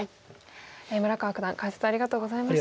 村川九段解説ありがとうございました。